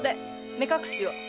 目隠しを。